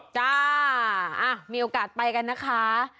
จ้ามีโอกาสไปกันนะคะ